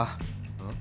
うん？